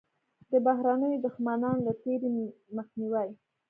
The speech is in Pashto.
د بهرنیو دښمنانو له تېري مخنیوی.